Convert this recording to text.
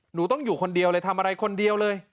หนูต้องอยู่คนเดียวเลยทำอะไรคนเดียวเลย